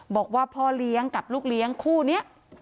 บอกว่าพ่อเลี้ยงกับลูกเลี้ยงคู่นี้